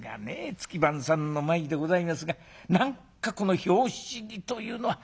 月番さんの前でございますが何かこの拍子木というのは寒がりです」。